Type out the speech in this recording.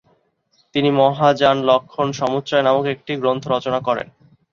তিনি মহাযানলক্ষ্মণসমুচ্চয় নামক একটি গ্রন্থ রচনা করেন।